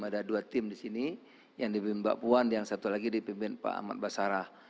ada dua tim di sini yang di pimpin mbak puan yang satu lagi di pimpin pak ahmad basarah